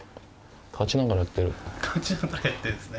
立ちながらやってるんですね。